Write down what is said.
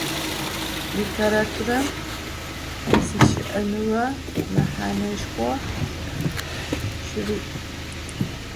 Litêraturem sişı'enığe mehaneşşxo şıri'.